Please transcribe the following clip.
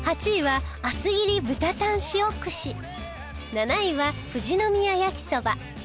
７位は富士宮焼きそば